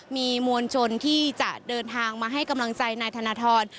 มีมวลชนที่จะเดินทางมาให้กำลังใจนายธนทร